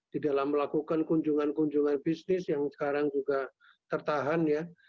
di dalam melakukan kunjungan kunjungan bisnis yang sekarang juga tertahan ya